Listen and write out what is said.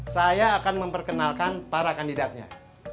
saya akan memperkenalkan para kandidatnya